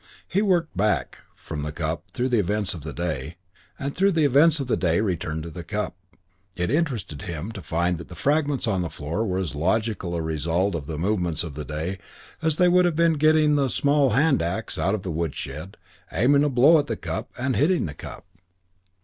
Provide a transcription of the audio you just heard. He "worked back" from the cup through the events of the day, and through the events of the day returned to the cup. It interested him to find that the fragments on the floor were as logical a result of the movements of the day as they would have been of getting the small hand axe out of the woodshed, aiming a blow at the cup, and hitting the cup.